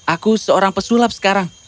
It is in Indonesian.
aku seorang pesulap sekarang